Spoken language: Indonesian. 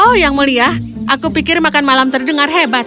oh yang mulia aku pikir makan malam terdengar hebat